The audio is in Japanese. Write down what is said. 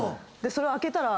それを開けたら。